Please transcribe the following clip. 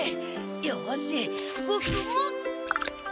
よしボクも！